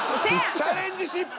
チャレンジ失敗！